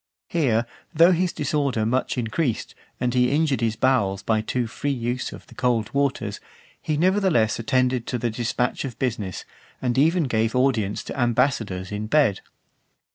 Here, though his disorder much increased, and he injured his bowels by too free use of the cold waters, he nevertheless attended to the dispatch of business, and even gave audience to ambassadors in bed.